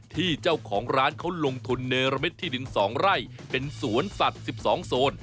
ที่เจ้าของร้านเขาลงทุนเนรมิตที่ดิน๒ไร่เป็นสวนสัตว์๑๒โซน